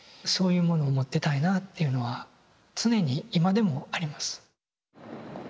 そういうものを持ってたいなあっていうのは常に今でもあります。